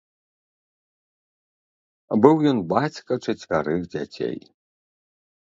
Быў ён бацька чацвярых дзяцей.